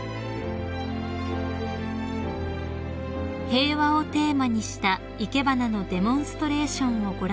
［平和をテーマにした生け花のデモンストレーションをご覧になった久子さま］